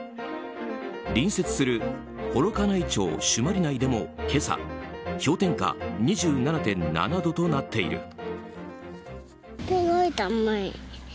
隣接する幌加内町朱鞠内でも今朝氷点下２７．７度となっている。